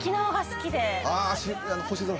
星空？